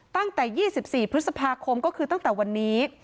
ตั้งแต่๒๔พฤษภาคมก็คือตั้งแต่วันนี้